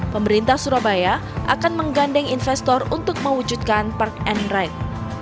pemerintah surabaya akan menggandeng investor untuk mewujudkan park and ride